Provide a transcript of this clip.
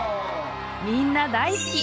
みんな大好き！